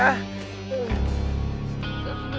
masih belum ketemu